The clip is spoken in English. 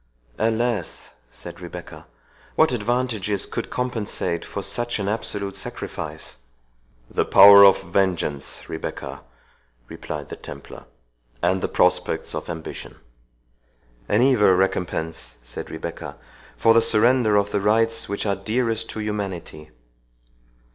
"Alas!" said Rebecca, "what advantages could compensate for such an absolute sacrifice?" "The power of vengeance, Rebecca," replied the Templar, "and the prospects of ambition." "An evil recompense," said Rebecca, "for the surrender of the rights which are dearest to humanity."